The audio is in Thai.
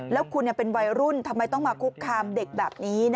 แล้วคุณเป็นวัยรุ่นทำไมต้องมาคุกคามเด็กแบบนี้